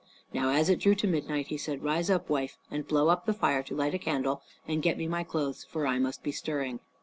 Now as it drew to midnight he said, "Rise up, wife, and blow up the fire to light a candle, and get me my clothes, for I must be stirring."